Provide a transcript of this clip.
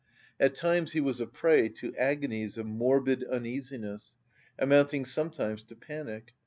At times he was a prey to agonies of morbid uneasiness, amounting sometimes to panic.